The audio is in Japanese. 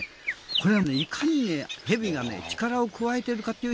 これはいかに蛇が力を加えているかという